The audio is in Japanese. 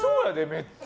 めっちゃ。